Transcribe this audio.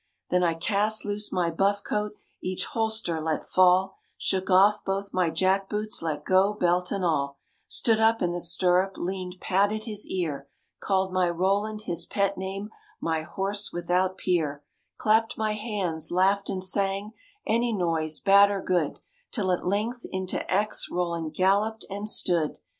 Then I cast loose my buff coat, each holster let fall, Shook off both my jack boots, let go belt and all, Stood up in the stirrup, leaned, patted his ear, Called my Roland his pet name, my horse without peer; Clapped my hands, laughed and sang, any noise, bad or good, Till at length into Aix Roland galloped and stood!